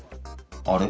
あれ？